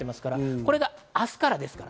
これが明日からです。